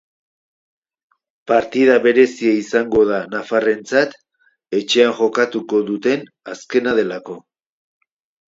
Partida berezia izango da nafarrentzat etxean jokatuko duten azkena delako.